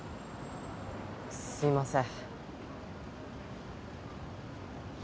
すいません